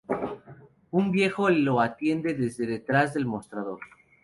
Un viejo lo atiende desde detrás del mostrador.